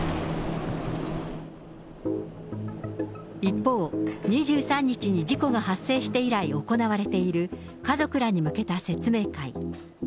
一方、２３日に事故が発生して以来、行われている家族らに向けた説明会。